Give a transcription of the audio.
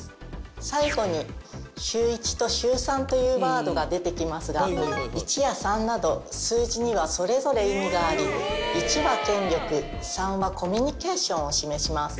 最後にシューイチとシューサンというワードが出てきますが１や３など数字にはそれぞれ意味があり１は権力３はコミュニケーションを示します。